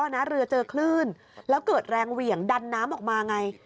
นะเรือเจอคลื่นแล้วเกิดแรงเหวี่ยงดันน้ำออกมาไง